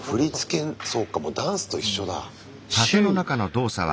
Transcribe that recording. そうかもうダンスと一緒だ。